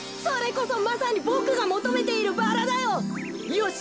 よし！